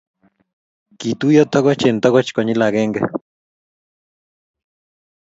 Kituiyo tokoch eng tokoch konyil akenge